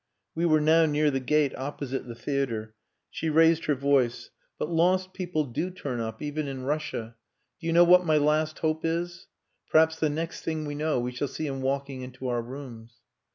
We were now near the gate opposite the theatre. She raised her voice. "But lost people do turn up even in Russia. Do you know what my last hope is? Perhaps the next thing we know, we shall see him walking into our rooms."